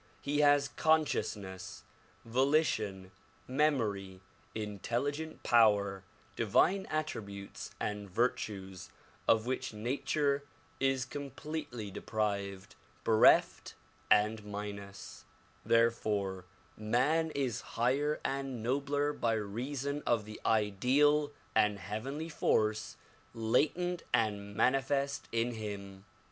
He has conscious ness, volition, memory, intelligent power, divine attributes and vir tues of which nature is completely deprived, bereft and minus; therefore man is higher and nobler l3y reason of the ideal and heav enly force latent and manifest in him.